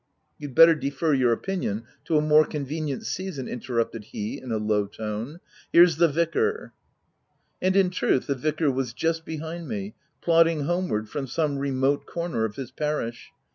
u You'd better defer your opinion to a more convenient season/' interrupted he in a low tone — u here's the vicar." And in truth, the vicar was just behind me, plodding homeward from some remote corner of his parish.